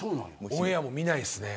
オンエアも見ないですね。